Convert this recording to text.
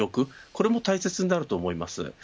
これも大切になると思います。